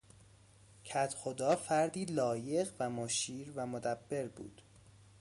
کدخدا فردی لایق و مشیر و مدبر بود.